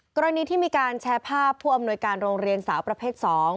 กรณีที่มีการแชร์ภาพผู้อำนวยการโรงเรียนสาวประเภท๒